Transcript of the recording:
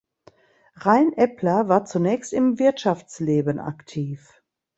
Rain Epler war zunächst im Wirtschaftsleben aktiv.